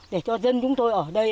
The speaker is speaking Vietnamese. để cho dân chúng tôi ở đây